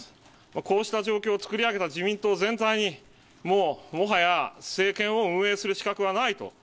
こうした状況を作り上げた自民党全体に、もう、もはや政権を運営する資格はないと。